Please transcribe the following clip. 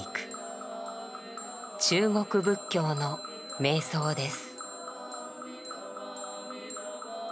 中国仏教の瞑想です。